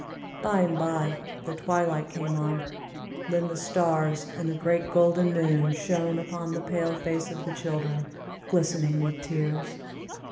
By and by the twilight came on, then the stars and the great golden moon shone upon the pale face of the children, glistening with tears.